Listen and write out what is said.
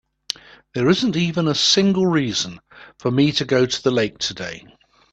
There isn't even a single reason for me to go to the lake today.